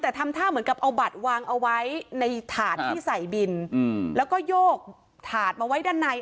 แต่ทำท่าเหมือนกับเอาบัตรวางเอาไว้ในถาดที่ใส่บินแล้วก็โยกถาดมาไว้ด้านใน